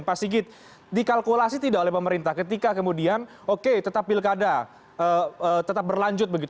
pak sigit dikalkulasi tidak oleh pemerintah ketika kemudian oke tetap pilkada tetap berlanjut